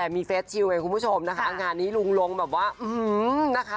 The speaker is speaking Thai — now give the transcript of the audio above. มีเฟสชิลคุณผู้ชมนะคะอันงานนี้ลุงลงแบบว่าอื้อหือนะคะ